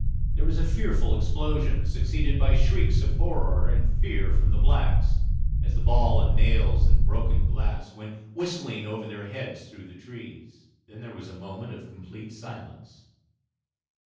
There was a fearful explosion, succeeded by shrieks of horror and fear from the blacks, as the ball and nails and broken glass went whistling over their heads through the trees. Then there was a moment of complete silence.